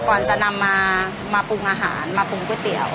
ก่อนจะนำมาปรุงอาหารมาปรุงก๋วยเตี๋ยว